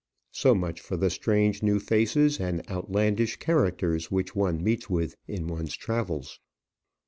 So much for the strange new faces and outlandish characters which one meets with in one's travels.